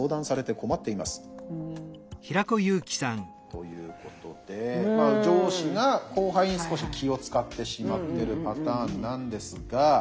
ということで上司が後輩に少し気を遣ってしまってるパターンなんですが。